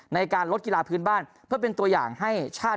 ในการลดกีฬาพื้นบ้านเพื่อเป็นตัวอย่างให้ชาติ